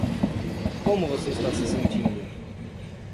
Como você está se sentindo?